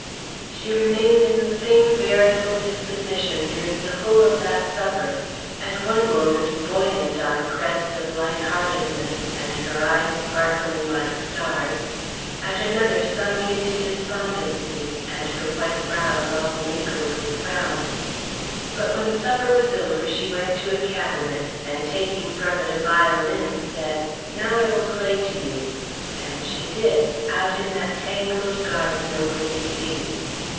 She remained in the same variable disposition during the whole of that supper, at one moment buoyant on a crest of light heartedness and her eyes sparkling like stars, at another sunk into despondency and her white brows all wrinkled with frowns. But when supper was over she went to a cabinet, and taking from it a violin, said: "Now, I will play to you." And she did out in that tangled garden over the sea.